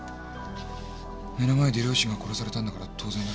目の前で両親が殺されたんだから当然だけど。